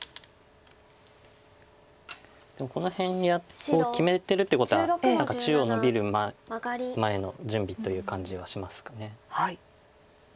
この辺を決めてるっていうことは何か中央ノビる前の準備という感じはしますかね。